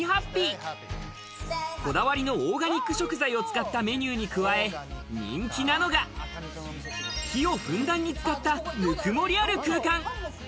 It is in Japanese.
こだわりのオーガニック食材を使ったメニューに加え、人気なのが、木をふんだんに使った、ぬくもりある空間。